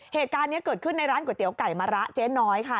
เหตุการณ์นี้เกิดขึ้นในร้านก๋วยเตี๋ยวไก่มะระเจ๊น้อยค่ะ